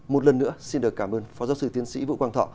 một lần nữa xin được cảm ơn phó giáo sư tiến sĩ vũ quang thọ